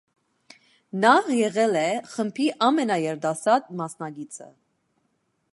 Նա եղել է խմբի ամենաերիտասարդ մասնակիցը։